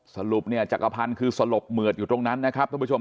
สรุปเนี่ยจักรพันธ์คือสลบเหมือดอยู่ตรงนั้นนะครับท่านผู้ชม